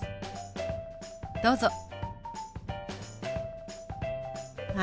どうぞ。